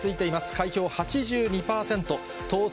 開票８２％、当選